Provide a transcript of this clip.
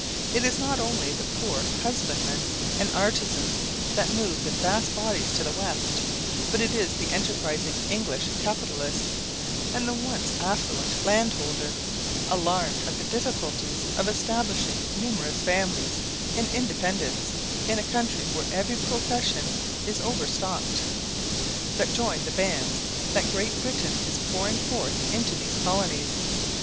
It is not only the poor husbandmen and artisans, that move in vast bodies to the west, but it is the enterprising English capitalist, and the once affluent landholder, alarmed at the difficulties of establishing numerous families in independence, in a country where every profession is overstocked, that join the bands that Great Britain is pouring forth into these colonies!